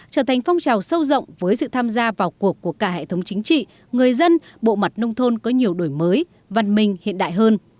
trở thành phong trào sâu rộng với sự tham gia vào cuộc của cả hệ thống chính trị người dân bộ mặt nông thôn có nhiều đổi mới văn minh hiện đại hơn